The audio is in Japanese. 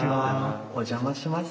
お邪魔します。